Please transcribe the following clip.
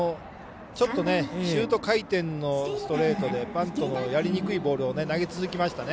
シュート回転のストレートで、バントのやりにくいボールを投げ続けましたね。